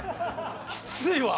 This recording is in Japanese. きついわ！